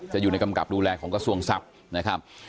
จะอยู่ในกำกับดูแลของกระทรวงทรัพย์